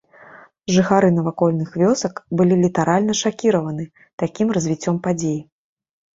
Жыхары навакольных вёсак былі літаральна шакіраваны такім развіццём падзей.